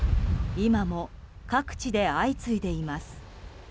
今も各地で相次いでいます。